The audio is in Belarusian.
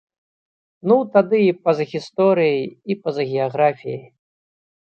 Ну тады і па-за гісторыяй, і па-за геаграфіяй!